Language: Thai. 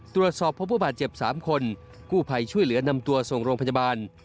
ตรวจสอบพบผู้บาดเจ็บ๓คนกู้ภัยช่วยเหลือนำตัวส่งโรงพยาบาล